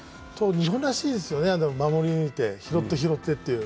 日本らしいですよね、守り抜いて、拾って拾ってという。